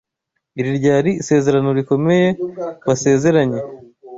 Iri ryari isezerano rikomeye wasezeranye.